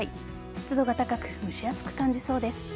湿度が高く蒸し暑く感じそうです。